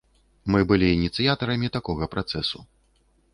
Мы былі ініцыятарамі такога працэсу.